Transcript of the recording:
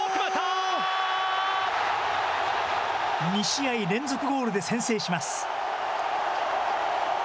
２試合連続ゴールで先制します。